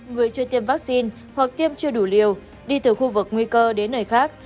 người chưa tiêm vaccine hoặc tiêm chưa đủ liều đi từ khu vực nguy cơ đến nơi khác